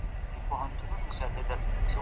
په ښارونو کي نوې ودانۍ چا جوړې کړې؟